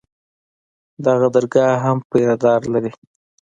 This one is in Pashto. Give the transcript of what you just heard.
دغه درګاه هم پيره دار لري.